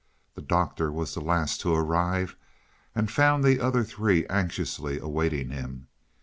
The Doctor was the last to arrive, and found the other three anxiously awaiting him.